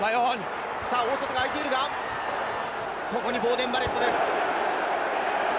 大外が空いているが、ここにボーデン・バレットです。